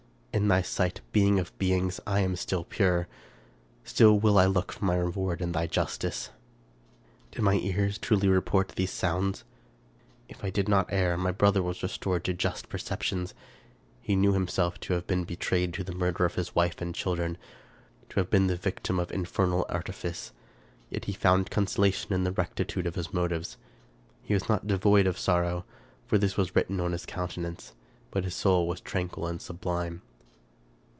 In thy sight. Being of beings! I am still pure. Still will I look for my reward in thy justice !" Did my ears truly report these sounds? If I did not err, my brother was restored to just perceptions. He knew himself to have been betrayed to the murder of his wife and children, to have been the victim of infernal artifice ; yet he found consolation in the rectitude of his motives. He was not devoid of sorrow, for this was written on his countenance; but his soul was tranquil and sublime.